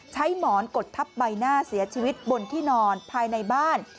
หมอนกดทับใบหน้าเสียชีวิตบนที่นอนภายในบ้าน